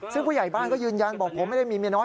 ซึ่งผู้ใหญ่บ้านก็ยืนยันบอกผมไม่ได้มีเมียน้อย